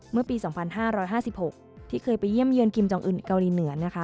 เมื่อปี๒๕๕๖ที่เคยไปเยี่ยมเยือนกิมจองอื่นเกาหลีเหนือนะคะ